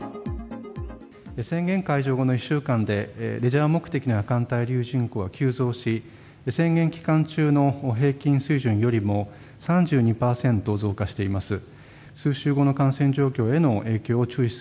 宣言解除後の１週間で、レジャー目的の夜間滞留人口が急増し、宣言期間中の平均水準よりも３２％増加しています。